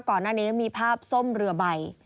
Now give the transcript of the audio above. ก่อนหน้านี้มีภาพส้มเรือใบ